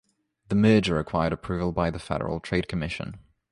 The merger required approval by the Federal Trade Commission.